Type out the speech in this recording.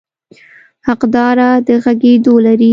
حقداره د غږېدو لري.